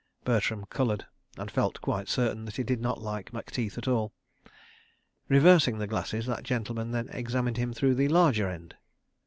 Bertram coloured, and felt quite certain that he did not like Macteith at all. Reversing the glasses, that gentleman then examined him through the larger end.